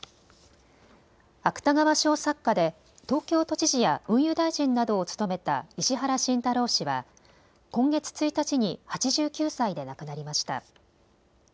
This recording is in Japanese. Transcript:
芥川賞作家で東京都知事や運輸大臣などを務めた石原慎太郎氏は今月１日に８９歳で亡くなりました。